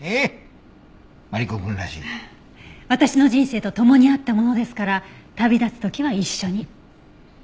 私の人生と共にあったものですから旅立つ時は一緒に。